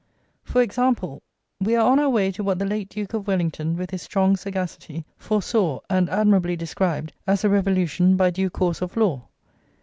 For example. We are on our way to what the late Duke of Wellington, with his strong sagacity, foresaw and admirably described as "a revolution by due course of law."